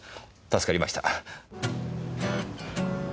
助かりました。